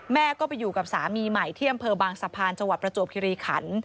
แม่ก็ไปอยู่กับสามีใหม่ที่อำเภอบางสะพานจังหวัดประจวบคิริขัน